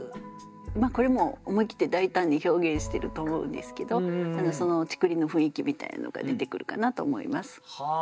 これもう思い切って大胆に表現してると思うんですけどその竹林の雰囲気みたいなのが出てくるかなと思います。